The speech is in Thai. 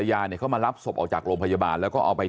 ชาวบ้านในพื้นที่บอกว่าปกติผู้ตายเขาก็อยู่กับสามีแล้วก็ลูกสองคนนะฮะ